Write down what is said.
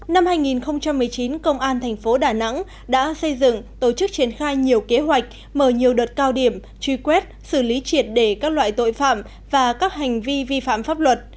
năm hai nghìn một mươi chín công an thành phố đà nẵng đã xây dựng tổ chức triển khai nhiều kế hoạch mở nhiều đợt cao điểm truy quét xử lý triệt để các loại tội phạm và các hành vi vi phạm pháp luật